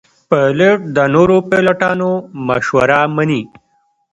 پیلوټ د نورو پیلوټانو مشوره مني.